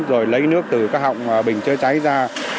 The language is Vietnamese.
rồi lấy nước từ các họng bình chữa cháy ra